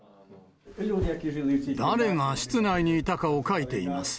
誰が室内にいたかを書いています。